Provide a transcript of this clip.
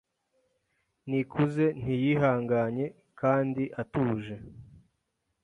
Nikuze ntiyihanganye kandi atuje.